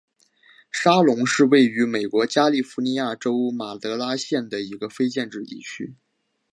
沙龙是位于美国加利福尼亚州马德拉县的一个非建制地区。